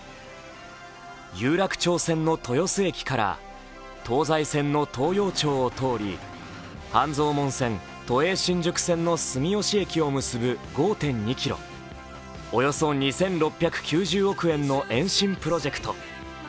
有楽町線の豊洲駅から東西線の東陽町を通り半蔵門線・都営新宿線の住吉駅を結ぶ５．２ｋｍ、およそ２６９０億円の延伸プロジェクト。